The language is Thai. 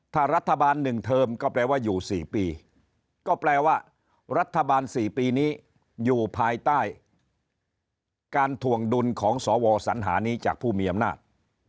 ถ้ารัฐบาล๑เทอมก็แปลว่าอยู่๔ปีก็แปลว่ารัฐบาล๔ปีนี้อยู่ภายใต้การถวงดุลของสวสัญหานี้จากผู้มีอำนาจ